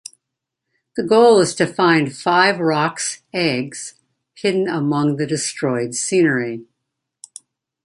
The goal is to find five Roc's eggs hidden among the destroyed scenery.